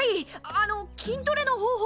あの筋トレの方法を。